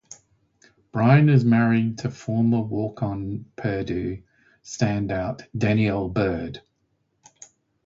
Brian is married to former walk-on Purdue standout Danielle Bird.